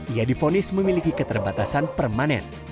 ia difonis memiliki keterbatasan permanen